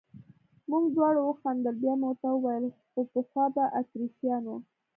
موږ دواړو وخندل، بیا مې ورته وویل: خو پخوا به اتریشیانو.